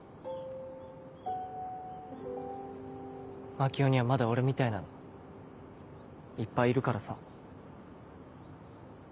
槙尾にはまだ俺みたいなのいっぱいいるからさ。